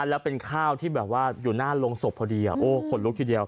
แล้วเป็นข้าวที่แบบว่าอยู่หน้าโรงศพพอดีโอ้ขนลุกทีเดียว